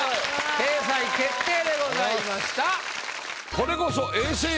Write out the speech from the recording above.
掲載決定でございました。